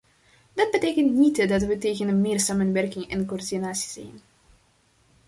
Dat betekent niet dat we tegen meer samenwerking en coördinatie zijn.